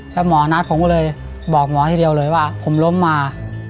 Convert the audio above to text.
แล้วหมอนัทผมก็เลยบอกหมอทีเดียวเลยว่าผมล้มมา